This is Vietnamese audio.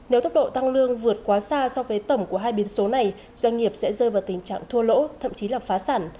nếu tốc độ tăng lương vượt quá xa so với tổng của hai biển số này doanh nghiệp sẽ rơi vào tình trạng thua lỗ thậm chí là phá sản